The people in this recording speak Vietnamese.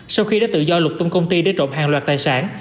sau khi đã tự do luật tung công ty để trộm hàng loạt tài sản